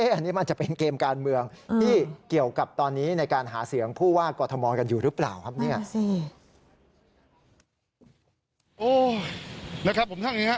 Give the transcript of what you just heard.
อันนี้มันจะเป็นเกมการเมืองที่เกี่ยวกับตอนนี้ในการหาเสียงผู้ว่ากอทมกันอยู่หรือเปล่าครับเนี่ย